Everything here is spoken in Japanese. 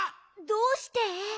どうして？